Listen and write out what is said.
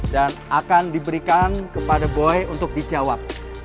dan akan diberikan kepada boy untuk dijawab